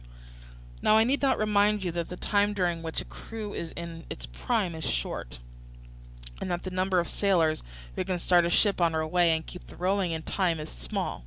"Now I need not remind you that the time during which a crew is in its prime is short, and that the number of sailors who can start a ship on her way and keep the rowing in time is small.